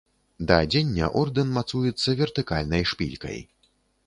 Да адзення ордэн мацуецца вертыкальнай шпількай.